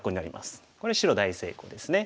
これ白大成功ですね。